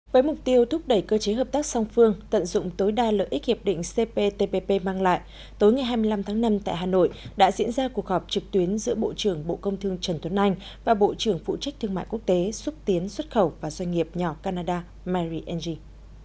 với mục tiêu thúc đẩy cơ chế hợp tác song phương tận dụng tối đa lợi ích hiệp định cptpp mang lại tối ngày hai mươi năm tháng năm tại hà nội đã diễn ra cuộc họp trực tuyến giữa bộ trưởng bộ công thương trần tuấn anh và bộ trưởng phụ trách thương mại quốc tế xúc tiến xuất khẩu và doanh nghiệp nhỏ canada mary angi